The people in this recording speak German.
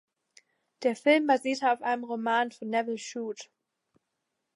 Der Film basierte auf einem Roman von Nevil Shute.